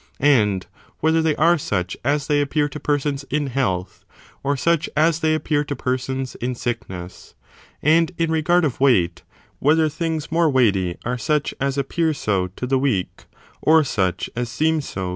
and whether they are such as they appear to persons in health, or such as they appear to persons in sickness? and, in regard of weight, whether things more weighty are such as appear so to the weak, or such as seem so to the strong?